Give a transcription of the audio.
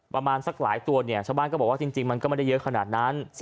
ประมาณสักหลายตัวเนี่ยชาวบ้านก็บอกว่าจริงมันก็ไม่ได้เยอะขนาดนั้น